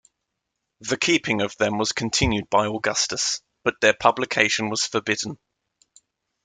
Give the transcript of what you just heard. The keeping of them was continued by Augustus, but their publication was forbidden.